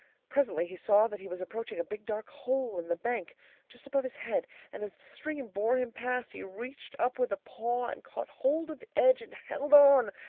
Presently he saw that he was approaching a big dark hole in the bank, just above his head, and as the stream bore him past he reached up with a paw and caught hold of the edge and held on.